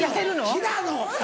平野！